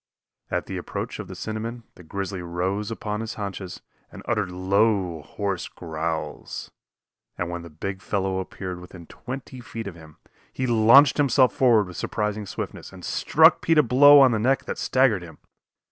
At the approach of the cinnamon the grizzly rose upon his haunches and uttered low, hoarse growls, and when the big fellow appeared within twenty feet of him, he launched himself forward with surprising swiftness and struck Pete a blow on the neck that staggered him.